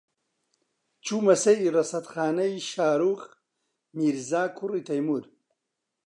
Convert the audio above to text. چوومە سەیری ڕەسەدخانەی شاروخ میرزا، کوڕی تەیموور